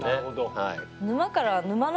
はい。